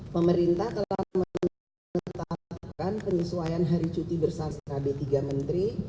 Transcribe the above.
pemerintah telah menetapkan penyesuaian hari cuti bersama skb tiga menteri